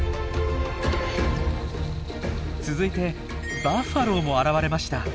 続いてバッファローも現れました。